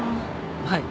はい。